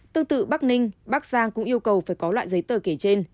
tương tự bắc ninh bắc giang cũng yêu cầu phải có loại giấy tờ kể trên